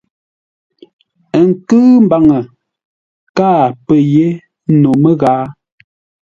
Ə nkʉ̂ʉ mbaŋə, káa pə́ yé no məghaa.